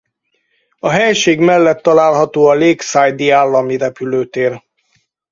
A helység mellett található a Lakeside-i állami repülőtér.